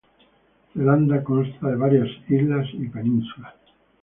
Zelanda consta de varias islas y penínsulas.